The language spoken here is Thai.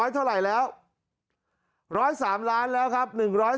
เท่าไหร่แล้ว๑๐๓ล้านแล้วครับ